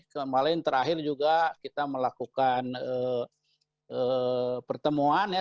kemarin terakhir juga kita melakukan pertemuan ya